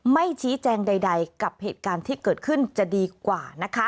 ไม่ชี้แจงใดกับเหตุการณ์ที่เกิดขึ้นจะดีกว่านะคะ